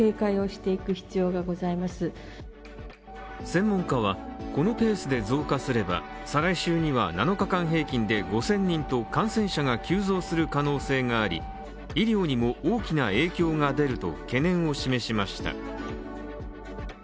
専門家は、このペースで増加すれば再来週には７日間平均で５０００人と感染者が急増する可能性があり、医療にも大きな影響が出ると懸念を示しました。